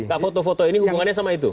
gak foto foto ini hubungannya sama itu